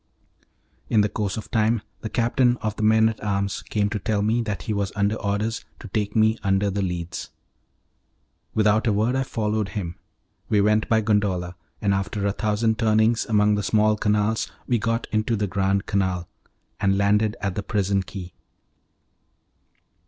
In course of time the captain of the men at arms came to tell me that he was under orders to take me under the Leads. Without a word I followed him. We went by gondola, and after a thousand turnings among the small canals we got into the Grand Canal, and landed at the prison quay.